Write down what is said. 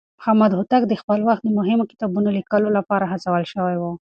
محمد هوتک د خپل وخت د مهمو کتابونو ليکلو لپاره هڅول شوی و.